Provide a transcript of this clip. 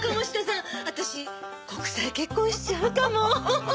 私国際結婚しちゃうかも。